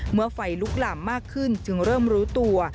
เมื่อไฟลุกหลามมากขึ้นจึงเริ่มรู้ตัว